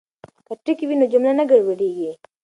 که ټکي وي نو جمله نه ګډوډیږي.